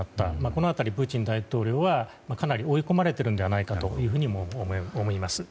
この辺りプーチン大統領はかなり追い込まれているのではないかとも思います。